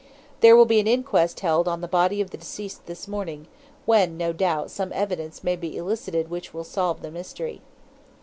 There will be an inquest held on the body of the deceased this morning, when, no doubt, some evidence may be elicited which may solve the mystery."